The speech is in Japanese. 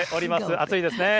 暑いですね。